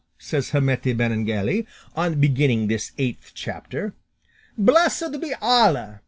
says Hamete Benengeli on beginning this eighth chapter; "blessed be Allah!"